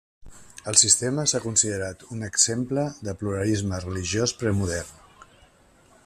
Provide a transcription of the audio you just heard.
El sistema s'ha considerat un exemple de pluralisme religiós premodern.